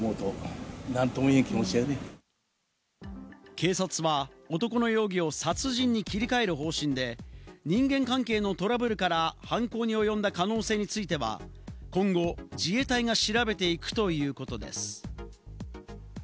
警察は男の容疑を殺人に切り替える方針で、人間関係のトラブルから犯行に及んだ可能性については、今後、自衛隊が調べていくということです。